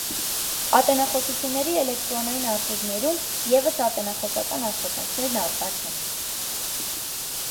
Ատենախոսությունների էլեկտրոնային արխիվներում ևս ատենախոսական աշխատանքն առկա չէ։